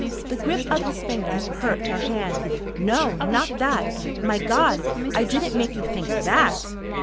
The grip of his fingers hurt her hand. "No, not that. My God, I didn't make you think _that?